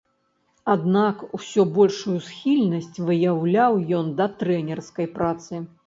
Аднак усё большую схільнасць выяўляў ён да трэнерскай працы.